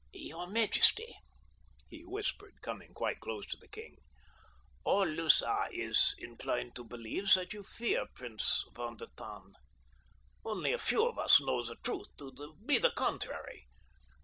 "Your majesty," he whispered, coming quite close to the king, "all Lutha is inclined to believe that you fear Prince von der Tann. Only a few of us know the truth to be the contrary.